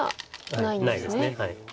ないです。